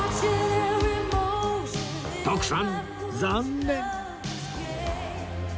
徳さん残念